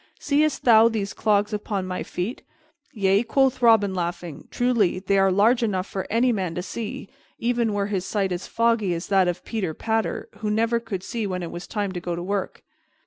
Seest thou these clogs upon my feet?" "Yea," quoth Robin, laughing, "truly, they are large enough for any man to see, even were his sight as foggy as that of Peter Patter, who never could see when it was time to go to work."